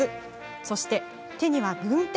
そして手には軍手。